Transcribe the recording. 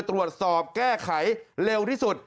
ตรวจสอบแก้ไขเร็วที่สุด